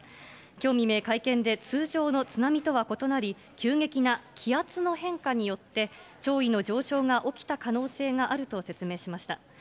きょう未明、会見で通常の津波とは異なり、急激な気圧の変化によって、潮位の上昇が起きた可能性があると説明しました。